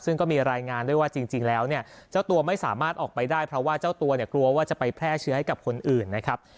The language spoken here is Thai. ซึ่งก็มีรายงานด้วยว่าจริงแล้วเนี่ยเจ้าตัวไม่สามารถออกไปได้เพราะว่าเจ้าตัวเนี่ยกลัวว่าจะไปแพร่เชื้อให้กับคนอื่นนะครับ